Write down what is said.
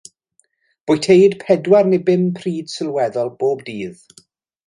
Bwyteid pedwar neu bum pryd sylweddol bob dydd.